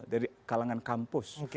dari kalangan kampus